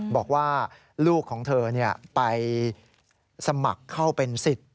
บอกว่าลูกของเธอเนี่ยไปสมัครเข้าเป็นศิษย์